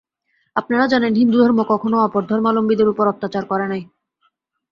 আপনারা জানেন, হিন্দুধর্ম কখনও অপর ধর্মাবলম্বীদের উপর অত্যাচার করে নাই।